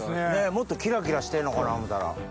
もっとキラキラしてんのかな思うたら。